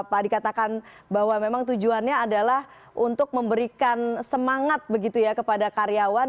pak dikatakan bahwa memang tujuannya adalah untuk memberikan semangat begitu ya kepada karyawan